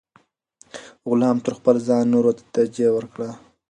غلام تر خپل ځان نورو ته ترجیح ورکړه.